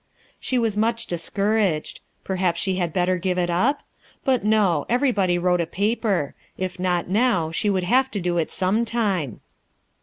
She was much discouraged. Perhaps she had better give it up? But, no; everybody wrote a paper: if not now, she would have to do it some time!